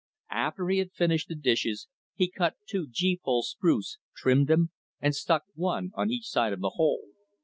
After he had finished the dishes, he cut two gee pole spruce, trimmed them, and stuck one on each side of the hole.